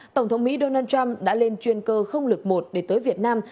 tổng thống mỹ donald trump đã lên chuyên cơ không lực một để tới việt nam